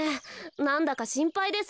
なんだかしんぱいです。